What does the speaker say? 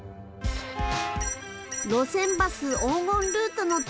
路線バス黄金ルートの旅。